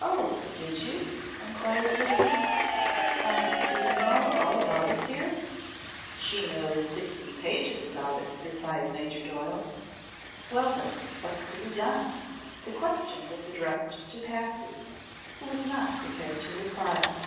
"Oh, did you?" inquired Louise; "and do you know all about it, dear?" "She knows sixty pages about it," replied Major Doyle. "Well, then, what's to be done?" The question was addressed to Patsy, who was not prepared to reply.